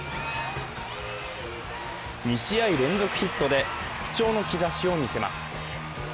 ２試合連続ヒットで復調の兆しを見せます。